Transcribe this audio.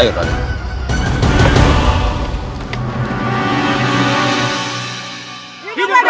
hidup berada di kianjaman